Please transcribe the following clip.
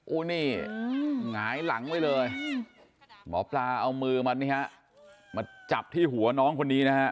โอ้โหนี่หงายหลังไว้เลยหมอปลาเอามือมันนี่ฮะมาจับที่หัวน้องคนนี้นะฮะ